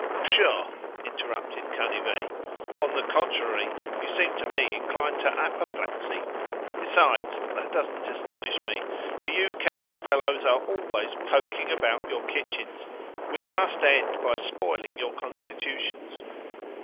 "Pshaw!" interrupted Canivet; "on the contrary, you seem to me inclined to apoplexy. Besides, that doesn't astonish me, for you chemist fellows are always poking about your kitchens, which must end by spoiling your constitutions.